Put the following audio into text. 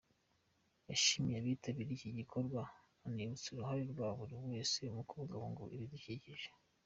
Yashimiye abitabiriye iki gikorwa, anibutsa uruhare rwa buri wese mu kubungabunga ibidukikije.